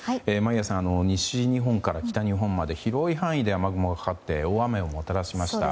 眞家さん、西日本から北日本まで広い範囲で雨雲がかかって大雨をもたらしました。